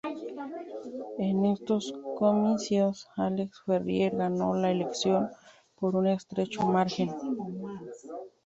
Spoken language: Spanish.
En estos comicios, Alex ferrier ganó la elección por un estrecho margen.